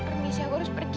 permisi aku harus pergi